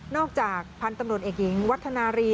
จากพันธุ์ตำรวจเอกหญิงวัฒนารี